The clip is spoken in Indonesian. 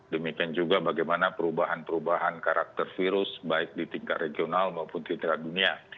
demikian juga bagaimana perubahan perubahan karakter virus baik di tingkat regional maupun di tingkat dunia